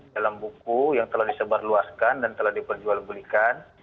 dalam buku yang telah disebarluaskan dan telah diperjualbelikan